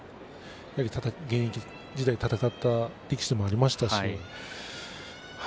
現役時代、戦った力士でもありましたし。